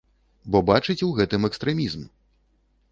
Бо бачыць у гэтым экстрэмізм.